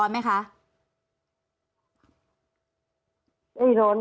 ทำไมในข่าวเหมือนกับพุ่งไปที่เขาสักคนเดียวเลยคะ